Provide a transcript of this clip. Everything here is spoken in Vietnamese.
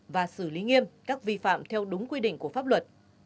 và xử lý nghiêm các vi phạm theo đúng quy định của pháp luật